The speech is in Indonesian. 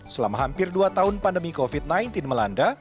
selama hampir dua tahun pandemi covid sembilan belas melanda